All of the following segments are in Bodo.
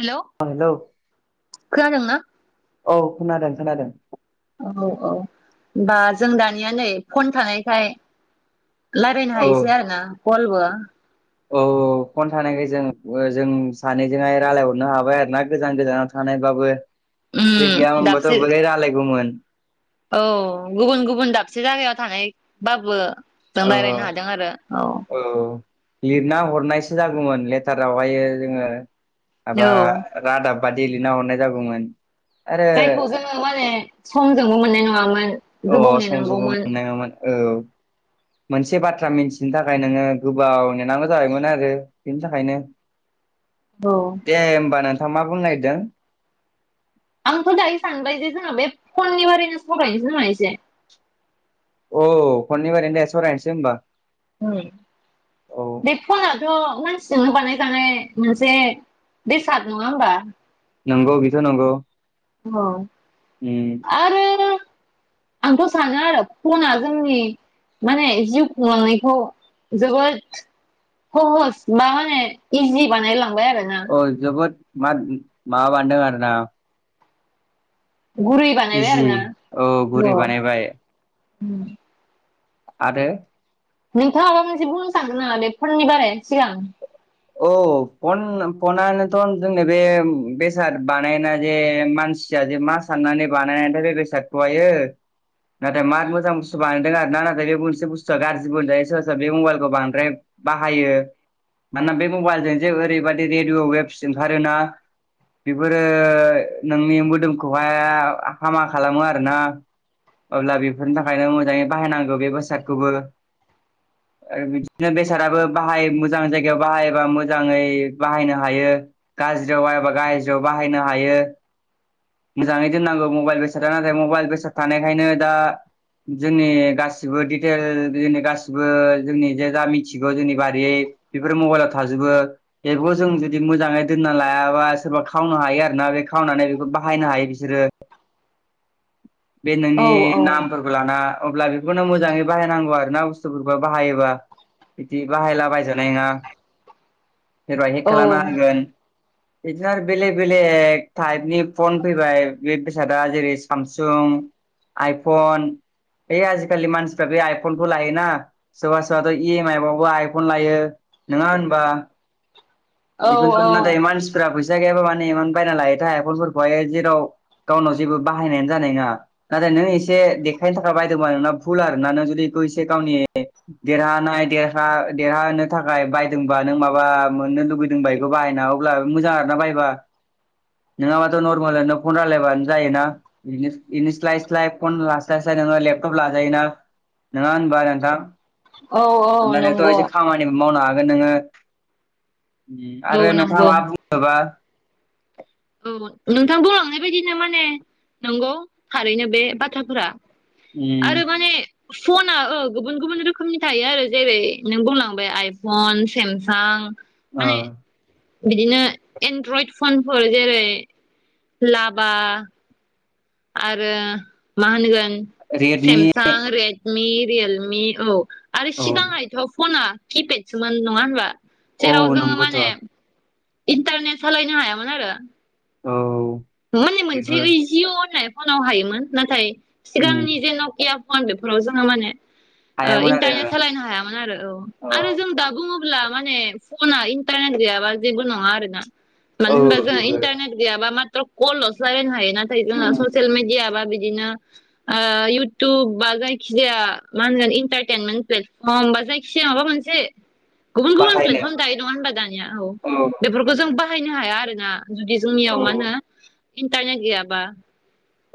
हेलौ खोनादोंना? औ खोनादों खोनादों। औ औ होनबा जों दानिया नै फन थानायखाय लायरायनो हायोसै आरोना कलबो औ औ। फन थानायखाय जों जों सानैजोंहाय रालायहरनो हाबाय आरो ना गोजान गोजानाव थानायबाबो। उम बे गैयामोनबाथ दाबसे बोरै रालायगौमोन? औ गुबुन गुबुन दाबसे जागायाव थानायबाबो जों ओ रालायनो हादों आरो। औ लिरना हरनायसो जागौमोन लेटारावहाय जोङो माबा औ रादाब बादि लिरना हरनाय जागौमोन। आरो जायखौ जोङो माने समजोंबो मोननाय नङामोन अ गोबाव सम समबो नेनांगौमोन। मोननाङामोन औ। मोनसे बाथ्रा मिनथिनो थाखाय नोङो गोबाव नेनांगौ जाबायमोन आरो बेनि थाखायनो औ दे होमबा नोंथाङ मा बुंनो नागिरदों? आंथ' दायो सानबाय जे जोंना बे फननि बारैनो फरायनोसै जोंहा एसे। अ फननि बारैनो दे सरायनोसै होनबा। बे फनाथ' मानसि जोंनो बानायखानाय मोनसे बेसाद नङा होमबा? नोंगौ बेथ नोंगौ। औ आरो आंथ' सानो आरो फना जोंनि माने जिउ खुंलांनायखौ जोबोद खोहस बा माने इजि बानाय लां औ जोबोद मा माबा बानायदों आरो ना गुरै बानायबाय इजि आरो ना औ गुरै अ। बानायबाय आरो नोंथाङा माबा मोनसे बुंनो सानो नामा बे फननि बारै सिगां? औ पन पनानोथ' जों बे बेसार बानायायना जे मानसि मानसिया जे मा साननानै बानायनायथाय बे बेसादखौहायो नाथाय मा मोजां बुस्थु बानायदों आरोना नाथाय बे मोनसे बुस्थुआ गाज्रिबो होनजायो सोरबा सोरबा बे मबाइलखौ बांद्राय बाहायो। [inaudible] मानोना बे मबाइलजों जे ओरैबाददि रेडिअ वेब ओंखारोना बेफोरो नोंनि मोदोमखौहाय हामा खालामो आरोना। अब्ला बेफोरनि थाखायनो मोजाङै बाहायनांगौ बे बेसादखौबो। आरो बिदिनो बेसादाबो बाहाय मोजां जायग गायाव बाहायोबा मोजाङै बाहायनो हायो गाज्रियाव बाहायोबा गाज्रियाव बाहायनो हायो। मोजाङै दोननांगौ मबाइल बेसादा नाथाय मबाइल बेसाद थानायखायनो दा जोंनि गासिबो दिटेल जोंनि गासिबो जोंनि जे जा मिथिगौ जोंनि बारियै बेफोर मबाइलाव थाजोबो बेफोरखौ जों जुदि मोजाङै दोनना लायाबा सोरबा खावनो हायो आरोना बे खावनानै बेखौ बाहायनो हायो बिसोरो। [inaudible] बे नोंनि औ नामफोरखौ लाना अब्ला बेखौनो मोजाङै बाहायनांगौ आर ना बुस्थुफोरखौ बाहायोबा बिदि बाहायलाबायजा नायनङा सोरबा औ हेक खालामना होगोन। [inaudible] बिदिनो आरो बेलेक बेलेक टाइपनि फन फैबाय बे बेसादा जेरै सामसुं आइफन बे आजिखालि मानसिफ्रा बे आइफनखौ लायोना सोरबा सोरबाथ' इएम आइ बावबो आइफन लायो। नङा होनबा? औ बेखौनोथ' नाथाय औ मानसिफोरा फैसा पैसा गैयाबा एमान बायना लायोथाय फलफोरखौहाय जेराव गावनाव जेबो बाहायनायानो जानाय नङा नाथाय नों एसे देखायनो थाखाय बायदोंबा नोंना भुल आरो ना नों जुदि बेखौ एसे गावनि देरहानाय देर देरहानो थाखाय बायदोंबा नों माबा मोननो लुुबैदोंबा बेखौ बाहायना अब्ला मोजां आरोना बायबा। नोंङाबाथ' नर्मेलनो फन रायलायबानो जायोनानो स्लाय स्लाय फन लास्लाय नोङो लेपटप लाजायोना नङा होनबा नोंथां? औ औ होननानैथ' नंगौ। एसे खामानिबो मावनो हागोन नोङो औ आरो नोंथाङा नंगौ मा बुनोबा [inaudible] औ नोंथां बुंलांनाय बायदिनो माने नंगौ थारैनो बे बाथ्राफोरा। आरो उम माने फना ओ गुबुन गुबुन रोखोमनि थायो आरो जेरै नों बुंलांबाय आइफन सेमसां आ माने बिदिनो एन्ड्रइड फनफोर जेरै लाभा आरो मा होनगोन Redmi Samsung Redmi Realme औ आरो औ सिगाङहथ फना किपेडसोमोन नङा होनबा? औ जेराव जोङो नंगौथ' माने औ इन्टारनेट सालायनो हायामोन आरो। औ माने मोनसे ओइजिअ होननाय फनाव हायोमोन नाथाय उम सिगांनि जे नकिया फन जोङो माने हायामोन आरो इन्टारनेट सालायनो हायामोन आरो औ आरो जों दा बुङोला ला माने फना इन्टारनेट गैयाबा जेबो नङा आरो ना। मानो औ होनबा जोंहा बेबो इन्टारनेट गैयाबा माथ्र कल'लसोलायनो हायो। नाथाइ जोंओ उम ससियेल मिडया बा बिदिनो जोंओ ओ इउटुब बा जायखिजाया इन्टाइटेलमेन्ट फ्लेटभर्म जायखिजाया माबा मोनसे गुबुन गुबुन बाहायनो प्लेटफर्म दायो नङा होनबा दानिया औ बेफोरखौ जों बाहायनो हाया आरो ना। जुदि जोंनियाव मा होनो औ इन्टारनेट गैयाबा।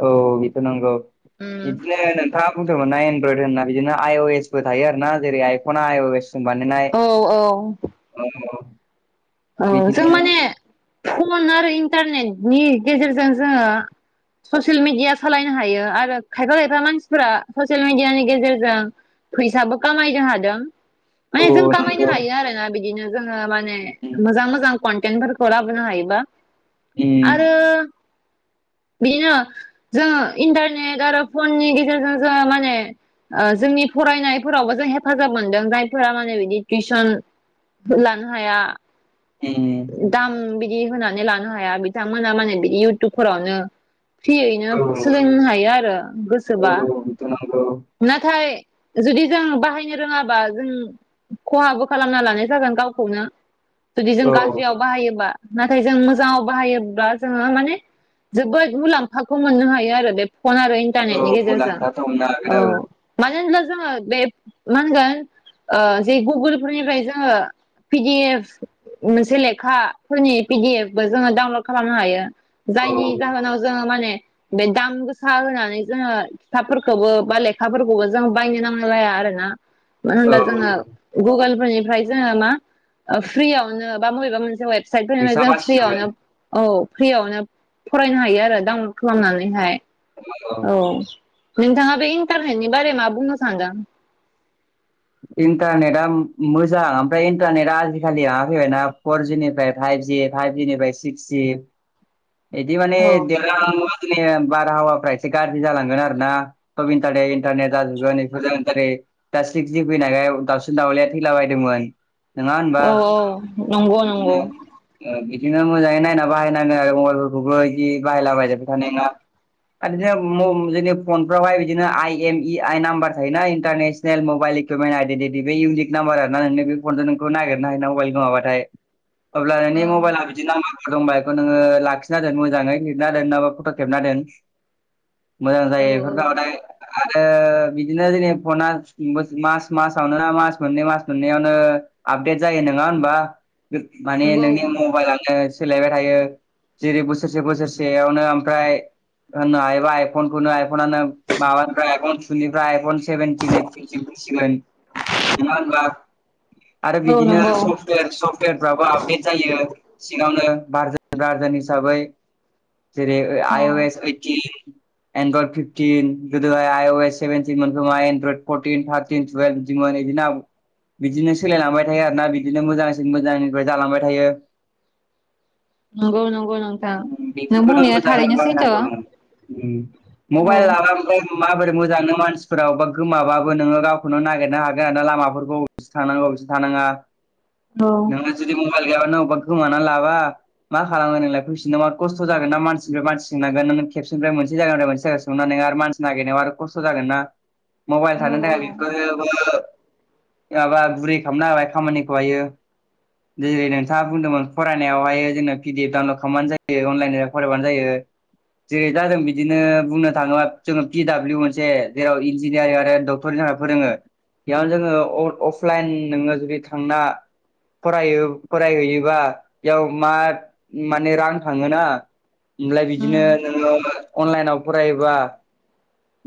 औ बेथ नांगौ उम बिदिनो नोंथाङा बुंदोंमोनना एनड्रयड होनना बिदिनो आइअ एस बबो थायो आर ना जेरै आइफना आइअ एस जों बानायनाय। औ औ औ जों बिदिनो माने फन आरो इन्टारनेटनि गेजेरजों जोङो ससियेल मिडिया सालायनो हायो आरो खायफा खायफा मानसिफोरा ससियेल मिडियानि गेजेरजों फैसाबो खामायनो हादों माने औ जों खामायनो नंगौ हायो आरोना बिदिनो जोङो माने उम मोजां मोजां कन्थेन्टफोरखौ लाबोनो हायोबा उम आरो बिदिनो जोंङो इन्टारनेट आरो फननि गेजेरजों जोंङो माने जोंनि फरायनायफोरावबो जों हेफाजाब मोनदों जायफोरा माने बिदि टिउसन फोलानो हाया। उम दाम बिदि होनानै लानो हाया बिथांमोना माने बिदि इउटुबफोरावनो फ्रियैनो सोलोंनो हायो आरो गोसोबा औ औ बेथ' नंगौ नाथाय जुदि जों बाहायनो रोङाबा जों खहाबो खालामना लानाय जागोन गावखौनो। जुदि जों औ गाज्रियाव बाहायोबा नाथाय जों मोजाङाव बाहायोब्ला जोंङो माने जोबोद मुलाम्फाखौ मोननो हायो आरो बे फन आरो इन्टारनेटनि औ गेजेरजों मुलाम्फा दंना औ आगोलाव मानो होनब्ला जोङो बे मा होनगोन ओ जे गुगोल फोरनिफ्राय जोङो पिडि एफ मोनसे लेखाफोरनि पिडि एफ ब जोङो डाउनलड खालामनो हायो जायनि जाहोनाव जोङो माने बे दाम गोसा होनानै जोङो खिथाफोरखौबो बा लेखाफोरखौबो जों बायनो नांगौ जाया आरोना मानो होनबा औ जोंङो औ गुगोल फोरनिफ्राय जोंङो मा फ्रियावनो बा बबेबा मोनसे वेब साइ फैसा जों बासिगोन फ्रियावनो औ फ्रियावनो फरायनो हायो आरो डाउनलड खालामनानैहाय। औ नोंथाङा बे इन्टारनेटनि बारै मा बुंनो सानदों? इन्टारनेटआ मोजां ओमफ्राय इन्टारनेटआ आजिखालि माबा फैबायना फरजिनिफ्राय पाइप फाइभज फाइभजनिफ्राय सिक्स जि [inaudible] एदि माने औ बारहावाफ्रा एसे गाज्रि जालांगोन आरो ना थब इन्टारनेट इन्टारनेट जाजोबगोन बेफोर सिक् जि फैनायखाय दाउसिन दाउलाया थैलाबायदोंमोन। नङा होनबा औ नंगौ नंगौ। [inaudible] बिदिनो ओ बिदिनो मोजाङै नायना बाहायनांगोन आरो मबाइलफोरखौबो बिदि बाहायलाबायायजाबबाय थानाय नङा। जोंनि फनफ्रावहाय बिदिनो I M E I number थायोना international mobile mobile equipment identity बे इउनिक नाम्बार आर नों बे फनजों नोंखौ नागिरनो हायो ना मबाइल गोमाबाथाय। अब्ला औ नोंनि मबाइला बिदि नामा? रंबायखौ नोङो लाखिना दोन मोजाङै लिरना दोन नबा फट' खेबना दोन। मोजां औ जायो औ बेफोर थाबाथाय आरो बिदिनो जोंनि फना मोस मास मासावनो ना मास मोननै मास मोननैयावनो आपदेट जायो नोङा होमबा? माने नंगौ। नोंनि मबाइलानो सोलायबाय थायो। जेरै बोसोरसे बोसोरसेयावनो ओमफ्राय ओनो हायोबा आइपन खोनो आइपनानो माबानिफ्राय आइपन टुवेलेनिफ्राय आइपन सेभेनटिन ओयतिन [unintelligible] सिमोन नङा होमबा? आरो औ बिदिनो नंगौ सफ्टवेर सफ्टवेरफ्राबो आपडेट जायो सिङावनो बारजो गारजोन हिसाबै जेरै ओ आइ अ एस नंगौ ओइटि एनड्रइड फिफटिन गोदोहाय आइ अ एस सेभेनटिन मोन खोमा एनड्रइड फटिन थारटि टुवेल बिदि मोन इदिनो आव बिदिनो सोलायलांबाय थायो आरो ना बिदिनो मोजांसिन मोजांनिफ्राय जालांबाय थायो। नंगौ नोंथां उम नों बेफोरखोनो बुंनाया मोजाङै थारैनो सैथो। बानायनांगौ ओम। उम औ मबाइल लाबा ओमफाय माबोरै मोजां नों मानसिफोरा अबावबा गोमाबा बो नोङो गावखौनो नागिरनो हागोन लामाफोरखौ अबस थांनांगौ अबेथिं थांनांगौ अबेथिं औ थानाङा। नोंना जुदि मबाइल गैयाबा नों अबा गोमाना लाबा मा खालामो नोंलाय फैफिनो मा खस्थ जागोन ना माननिफाय मानसि सोंनांगोन नों खेबसनिफ्राय मोनसे जायगानिफ्राय मोनसे जायगायाव सोंनानै आरो मानसि नागिरनायाव आरो खस्थ' जागोन ना [inaudible] मबाइल थानो थाखाय बेफोरोबो माबा गुरै खालामना होबाय खामानिखौहायो। जेरै नोंथाङा बुंदोंमोन फरायनायावहाय जोंनो पि डि एफ डाउनलड खामबानो जायो अनलाइन फरायबानो जायो। जेरै दा जों बिदिनो बुंनो थाङोबा जोङो पि डाब्लिउ मोनसे जेराव इन्जिनियारिं आरो दक फोरनि थाखाय फोरोङो बेयावनो जोङो अफ-अफलाइन नोङो जुदि थांना फरायो फरायहैयोबा इयाव मा माने रां थाङोना इमफ्लाय बिदिनो नोङो अनलाइनाव फरायोबा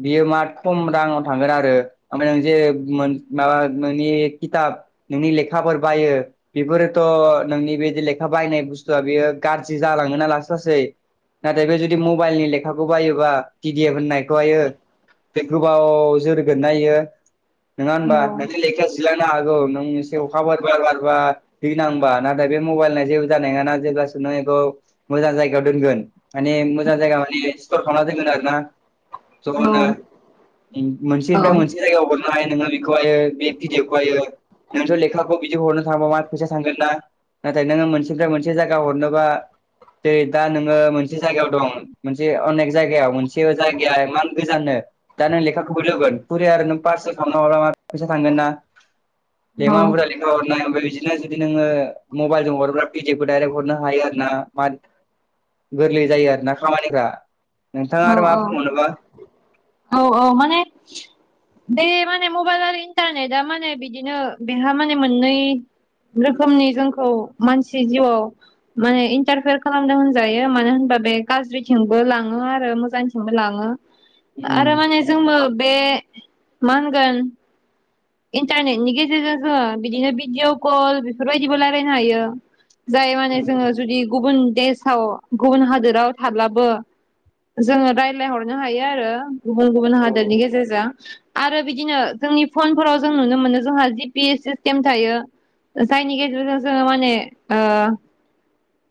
बियो मा खम राङाव थांगोन आरो। ओमफ्राय नों जे मोन माबा नोंनि खिथाब नोंनि लेखाफोर बायो बेफोर थ' नोंनि बेदि लेखा बायनाय बुस्थुआ बेयो गाज्रि जालाङो ना लासै लासै नाथाय बे जुदि मबाइलनि लेखाखौ बायोबा पि डि एफ होननायखौहायो बे गोबाव जोर गोन नायो नोङा औ होनबा नों लेख जिलांनो हागौ नों एसे अखा बार बार बारबा दैनांबा नाथाय बे मबाइलना जेबो जानाय नोङा ना जेब्लासिम नों एखौ मोजां जायगायाव दोनगोन। माने मोजां जायगा माने सिटर खालामना दोनगोन आरोना ज'नो उम मोनसे बेनिफ्राय मोनसे जायगायाव हरनो हायो नोङो एखौहायो बे पि डि एफखौहायो नोंसोर लेखाखौ बिदि हरनो थांबा मा फैसा थांगोन ना नाथाय नोङो मोनसेनिफ्राय मोनसे जायगा हरनोबा जरै दा नोङो मोनसे जायगायाव दं मोनसे अनेक जायगायाव मोनसे जायगाया इमान गोजाननो दा नों लेखाखौ बोरै हरगोन कुरियार नों पार्सेल खालामना हराबा फैसा थांगोन ना औ एमान बुरजा लेखा हरनाय ओमफ्राय बिदिनो जे दि नोङो मबाइल जों हरोब्ला पि डि एप खौ डाइरेक्ट हरनो हायो आरो ना माद गोरलै जायो आरो ना खामानिफ्रा। नोंथाङा औ आरो मा बुंबावनो बा? औ औ माने बे माने मबाइल आरो इन्टारनेटआ माने बिदिनो बेहा माने मोननै रोखोमनि जोंखौ मानसि जिउआव माने इन्टारफेर खालामदों होनजायो मानो होनबा बे गाज्रिथिंबो लाङो आ रो मोजांथिंबो लाङो उम आरो उम माने जोंबो बे माहोनगोन इन्टारनेटनि गेजेरजोङो बिदिनो भिडिअ कल बेफोरबायदिबो रायलायनो हायो। जाय माने जोङो जुदि गुबुन देशाव गुबुन हादोराव थाब्लाबो जोङो रायज्लायहरनो हायो आरो गुबुन गुबुन औ हादोरनि गेजेरजों आरो बिदिनो जोंनि फनफोराव जों नुनो मोनो जोंहा जि पि एस सिस्टेम थायो। जायनि गेजेरजों जोङो माने ओ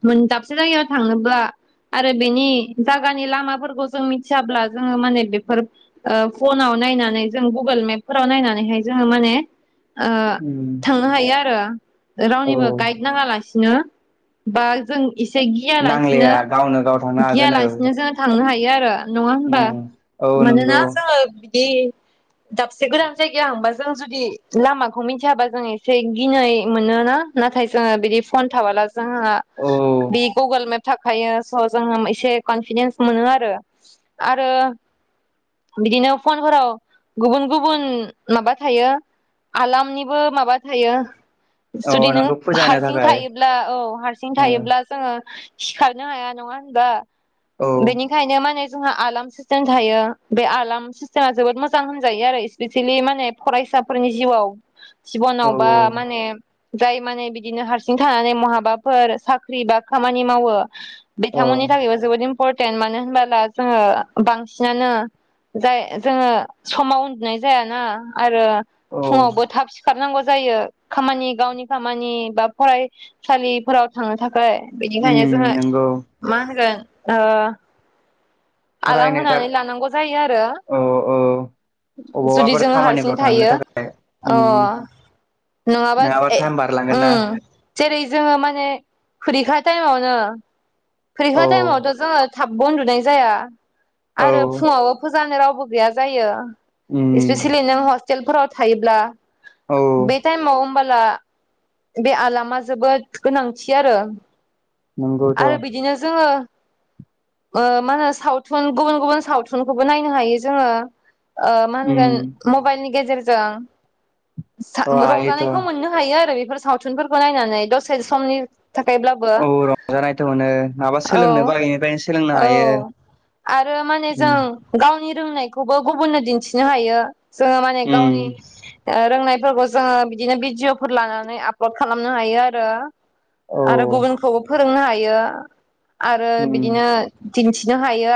मोन दाबसे जायगायाव थाङोब्ला आरो बेनि जागानि नि लामाफोरखो जों मिथियाब्ला जोङो माने बेफोर ओ फनाव नायनानै ओ जों गुगोल मेप [unintelligible] नायनानैहाय जोङो माने ओ उम थांनो हायो आरो रावनिबो औ गाइड नाङा लासिनो। बा जों इसे गियालासिनो नांलाया गावनो गाव थांनो गिया हागोन औ लास [unintelligible] नो जोङो थांनो हायो आरो नङा होमबा? उम औ मानोना नंगौ जोङो बिदि दाब से गोदान जायगायाव हांबा जों जुदि लामाखौ मिथियाबा जों एसे गिनाय मोन ना नाथाय जों ओ बिदि फन थाबाला जोंङो औ बि गुगोल मेप थाखायो स जोङो एसे कनफिदेन्स मोनो आरो आरो बिदिनो फनफोराव गुबुन गुबुन माबा थायो। आलामनिबो माबा थायो। जुदि औ नों नोंखौ फुजा होनो हारसिं थाखाय थायोब्ला औ हारसिं औ थायोब्ला जोङो सिखारनो हाया नङा होनबा औ बेनिखायनो माने जोंहा आलार्म [unintelligible] थायो। बे आलार्म सिस्टेमा जोबोद मोजां होनजायो आरो इस्पेसियेलि माने फरायसाफोरनि जिउआव। औ जिबनावबा माने जाय माने बिदिनो हारसिं थानानै महाबाफोर साख्रि बा खामानि मावो। औ बिथांमोननि थाखायबो जोबोद इम्परटेन्ट मानो होनबोला जोङो बांसिनानो जाय जोङो समाव उन्दुनाय जायाना आरो औ फुङावबो थाब सिखारनांगौ जायो खामानि गावनि खामानि बा फरायसालिफोराव थांनो थाखा खाय उम बिनिखायनो जोङो नंगौ मा होनोगोन ओ आलाम फरायनो थाखाय होनानै लानांगौ जायो आरो। औ औ जुदि अबावबाफोर जोङो हारसिं खामानिफ्राव थांनो थायो थाखाय अ। उम नङाबा [unintelligible] टाइम बारलांगोन ना उम। जेरै जोङो माने फुरिखा टाइमावनो फुरिखा औ टाइमावथ' जोङो थाबबो उन्दुनाय जाया औ आरो फुङावबो फुजानो रावबो गैया जायो। उम इस्पेसियेलि नों हस्टेलफोराव थायोब्ला औ बे टाइमाव ओमबा अब्ला बे आलामा जोबोद गोनांथि आरो। नंगौथ' आरो बिदिनो जोङो ओ मा होनो साउथ थुन गुबुन गुबुन सावथुनखौबो नायनो हायो जोङो ओ मा उम होनगोन मबाइनि गेजेर जों सा अ हायोथ' रंजानायखौ मोननो हायो आरो बे फोर सावथुनफोरखौ नायनानै दसे समनि थाखायब्लाबो औ रंजानायथ' मोनो माबा औ सोलोंनोबो इनिफायनो सोलोंनो औ हायो। आरो माने उम जों गावनि रोंनायखौबो गुबुननो दिन्थिनो हायो। जोङो माने उम गावनि ओ रोंनायफोरखौ जोङो बिदिनो भिडिअ फोर लानानै आपलड खालामनो हायो आरो। आरो औ गुबुनखौबो फोरोंनो हायो आरो बिदिनो दिन्थिनो हायो आ